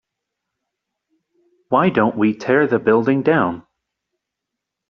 why don't we tear the building down?